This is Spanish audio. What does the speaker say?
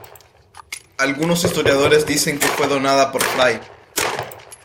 Algunos historiadores dicen que fue donada por fray.